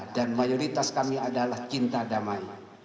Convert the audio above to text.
dan mayoritas kami adalah cinta damai